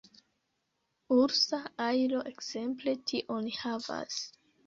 Ursa ajlo ekzemple tion havas.